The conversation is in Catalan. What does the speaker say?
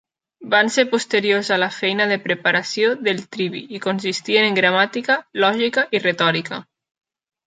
Van ser posteriors a la feina de preparació del trivi i consistien en gramàtica, lògica i retòrica.